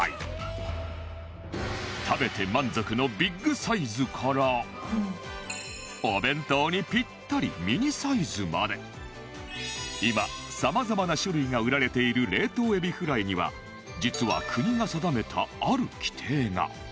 食べて満足のビッグサイズからお弁当にピッタリミニサイズまで今さまざまな種類が売られている冷凍エビフライには実は国が定めたある規定が